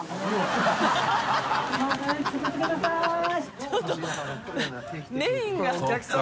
ちょっと